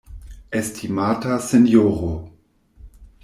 Estimata Sinjoro.